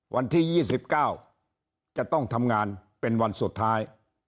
วันที่๒๙จะต้องทำงานเป็นวันสุดท้าย